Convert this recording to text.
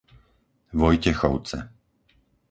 Vojtechovce